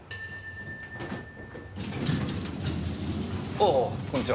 あぁこんにちは。